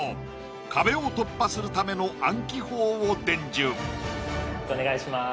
壁を突破するための暗記法を伝授お願いします